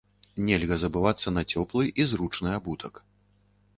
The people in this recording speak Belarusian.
Нельга забывацца на цёплы і зручны абутак.